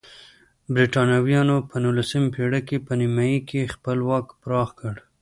برېټانویانو په نولسمې پېړۍ په نیمایي کې خپل واک پراخ کړ.